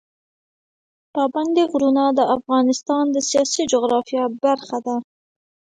پابندی غرونه د افغانستان د سیاسي جغرافیه برخه ده.